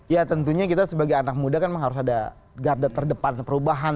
ya tentunya kita sebagai anak muda kan memang harus ada garda terdepan perubahan